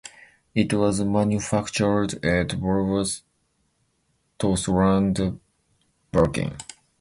It was manufactured at Volvo's Torslandaverken.